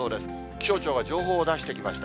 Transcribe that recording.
気象庁は情報を出してきました。